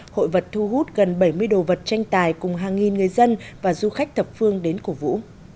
hội vật thu hút gần bảy mươi đồ vật tranh tài cùng hàng nghìn người dân và du khách thập phương đến cổ vũ